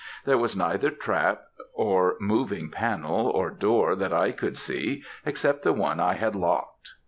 There was neither trap or moving panell, or door that I could see, except the one I had locked.